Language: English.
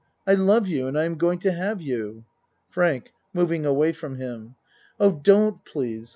I love you and I am going to have you. FRANK (Moving away from him.) Oh, don't please.